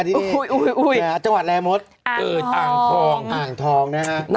ดินี่อุ๊ยอุ๊ยอุ๊ยจังหวัดแรมุดอ่างทองอ่างทองน่ะฮะ